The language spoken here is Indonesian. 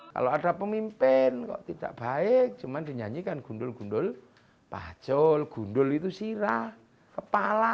kalau ada pemimpin kok tidak baik cuman dinyanyikan gundul gundul pacul gundul itu sirah kepala